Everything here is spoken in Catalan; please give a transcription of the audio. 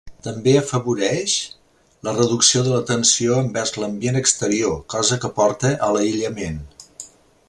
També afavoreix la reducció de l'atenció envers l'ambient exterior, cosa que porta a l'aïllament.